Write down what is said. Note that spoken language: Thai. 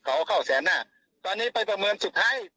เขาเข้าแสนหน้าตอนนี้ไปประเมินสุดท้าย